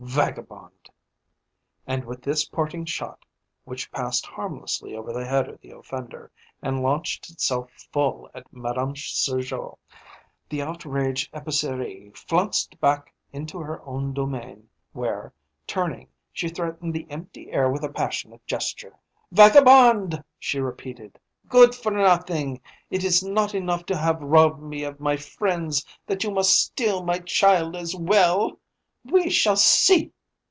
Vagabond!" And with this parting shot, which passed harmlessly over the head of the offender, and launched itself full at Madame Sergeot, the outraged épicière flounced back into her own domain, where, turning, she threatened the empty air with a passionate gesture. "Vagabond!" she repeated. "Good for nothing! Is it not enough to have robbed me of my friends, that you must steal my child as well? We shall see!"